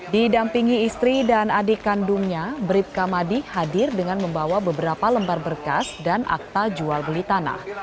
didampingi istri dan adik kandungnya bribka madi hadir dengan membawa beberapa lembar berkas dan akta jual beli tanah